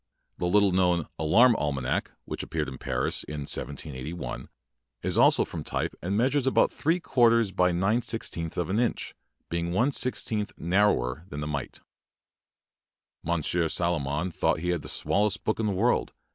The little known "Alarm Almanac", which ap peared at Paris in 1781, is also from type and measures about three quar ters by nine sixteenths of an inch, being one sixteenth narrower than "The Mite". Monsieur Salomon thought he had the smallest book in the world.